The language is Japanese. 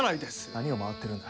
何を回ってるんだ？